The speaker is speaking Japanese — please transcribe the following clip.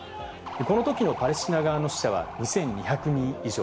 このときのパレスチナ側の死者は２２００人以上。